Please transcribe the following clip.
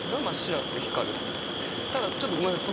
ただちょっとごめんなさい